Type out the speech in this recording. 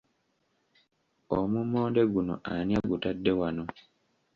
Omummonde guno ani agutadde wano?